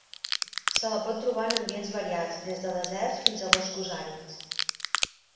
Se la pot trobar en ambients variats, des de deserts fins a boscos àrids.